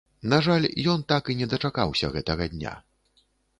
На жаль, ён так і не дачакаўся гэтага дня.